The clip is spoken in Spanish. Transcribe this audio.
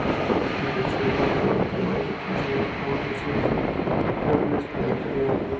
Ejerció además durante más de quince años como "associate editor" de la "Hispanic Review".